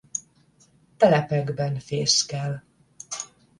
Telepekben fészkel.